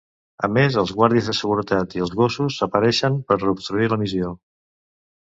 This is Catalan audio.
A més, els guàrdies de seguretat i els gossos apareixen per obstruir la missió.